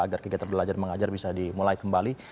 agar kegiatan belajar mengajar bisa dimulai kembali